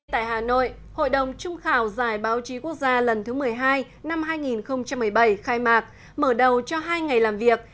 tại hà nội hội đồng trung khảo giải báo chí quốc gia lần thứ một mươi hai năm hai nghìn một mươi bảy khai mạc mở đầu cho hai ngày làm việc